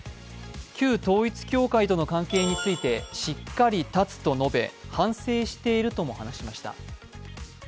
旧統一教会との関係についてしっかり断つと述べ反省しているとも話しました。